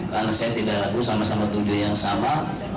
karena saya tidak ragu sama sama tujuan yang sama